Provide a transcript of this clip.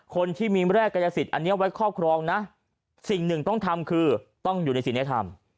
คนที่มีแร่กายสิทธิ์อันนี้ไว้ครอบครองนะสิ่งหนึ่งต้องทำคือต้องอยู่ในศิลธรรม